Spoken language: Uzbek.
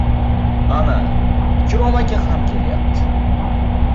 Ana, Ikrom aka ham kelyapti.